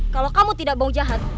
kalau kamu tidak mau jahat